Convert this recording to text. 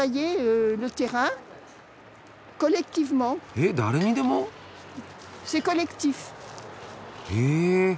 えっ誰にでも？へ。